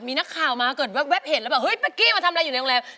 มีนักข่าวมาเกิดแว๊บเห็นแล้วแบบเฮ้ยแป๊กกี้มาทำอะไรอยู่ในโรงแรม